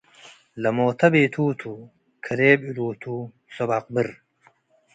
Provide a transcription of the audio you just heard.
ለሞተ ቤቱ ቱ፡ ከሌብ እሉ ቱ ሰብ አቅብር